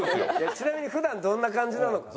ちなみに普段どんな感じなのかな？